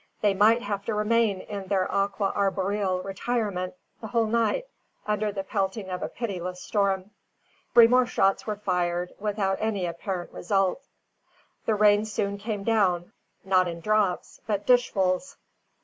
They might have to remain in their aqua arboreal retirement the whole night under the pelting of a pitiless storm. Three more shots were fired, without any apparent result. The rain soon came down, not in drops, but dishfuls.